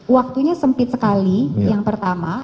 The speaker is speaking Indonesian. waktunya sempit sekali yang pertama